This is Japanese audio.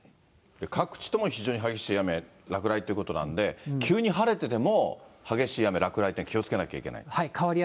各地とも非常に激しい雨、落雷ということなんで、急に晴れてても、激しい雨、落雷に気をつけなきゃいけない。